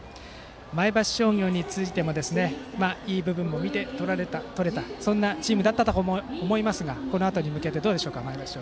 前橋商業についてもいい部分も見て取れたそんなチームだったと思いますがこのあとに向けてどうでしょうか。